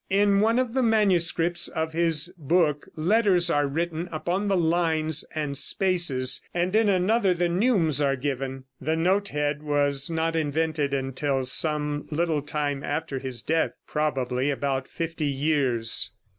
In one of the manuscripts of his book letters are written upon the lines and spaces, and in another the neumes are given. The note head was not invented until some little time after his death, probably about fifty years.